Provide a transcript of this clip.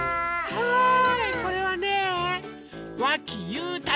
はい。